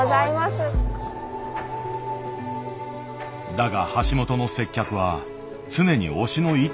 だが橋本の接客は常に押しの一手ではない。